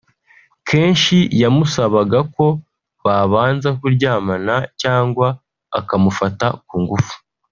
kenshi yamusabaga ko babanza kuryamana cyangwa akamufata ku ngufu